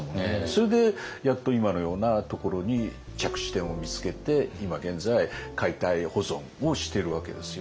それでやっと今のようなところに着地点を見つけて今現在解体保存をしてるわけですよね。